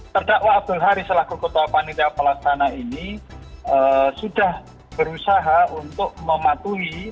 terdakwa abdul haris selaku ketua panitia pelaksana ini sudah berusaha untuk mematuhi